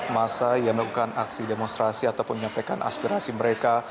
masa yang melakukan aksi demonstrasi ataupun menyampaikan aspirasi mereka